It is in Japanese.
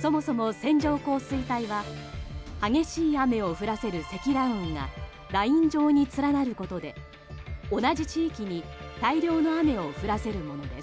そもそも線状降水帯は激しい雨を降らせる積乱雲がライン状に連なることで同じ地域に大量の雨を降らせるものです。